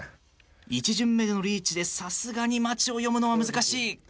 １巡目でのリーチでさすがに待ちを読むのは難しい。